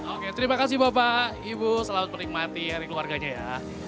oke terima kasih bapak ibu selamat menikmati hari keluarganya ya